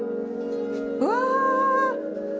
うわ！